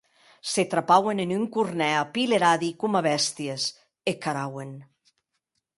Se trapauen en un cornèr apileradi coma bèsties e carauen.